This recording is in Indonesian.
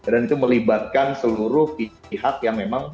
dan itu melibatkan seluruh pihak yang memang